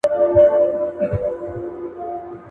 زه پور غواړم، ته نور غواړې.